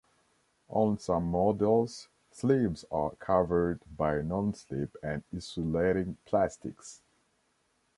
On some models, sleeves are covered by non-slip and insulating plastics.